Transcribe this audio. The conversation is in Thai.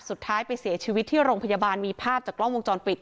สุดท้ายไปเสียชีวิตที่โรงพยาบาลมีภาพจากกล้องวงจรปิด